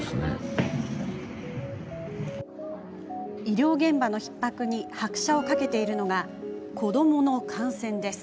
医療現場のひっ迫に拍車をかけているのが子どもの感染です。